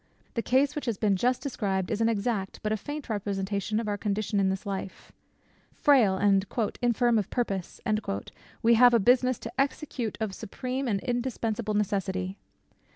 The case which has been just described, is an exact, but a faint representation of our condition in this life. Frail and "infirm of purpose," we have a business to execute of supreme and indispensable necessity.